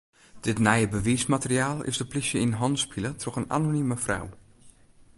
Dit nije bewiismateriaal is de plysje yn hannen spile troch in anonime frou.